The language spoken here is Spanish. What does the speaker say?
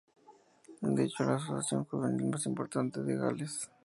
De hecho es la asociación juvenil más importante de Gales.